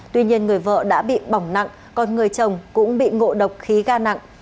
tuy nhiên người vợ đã bị bỏng nặng còn người chồng cũng bị ngộ độc khí ga nặng